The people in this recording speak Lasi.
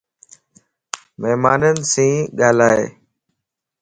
مھمانين سين ڳالھائي